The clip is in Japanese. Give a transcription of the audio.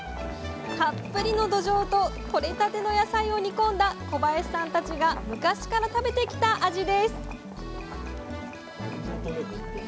たっぷりのどじょうととれたての野菜を煮込んだ小林さんたちが昔から食べてきた味です